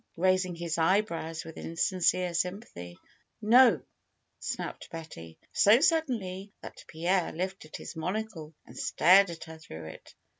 raising his eyebrows with insincere sympathy. ^^No !" snapped Betty, so suddenly, that Pierre lifted his monocle and stared at her through it.